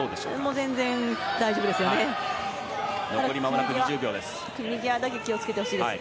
全然大丈夫ですよね。